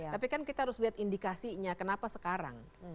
tapi kan kita harus lihat indikasinya kenapa sekarang